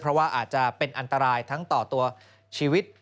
เพราะว่าอาจจะเป็นอันตรายทั้งต่อตัวชีวิต